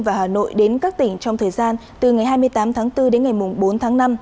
và hà nội đến các tỉnh trong thời gian từ ngày hai mươi tám tháng bốn đến ngày bốn tháng năm